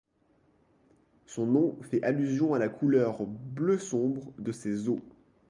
Son nom fait allusion à la couleur bleu sombre de ses eaux.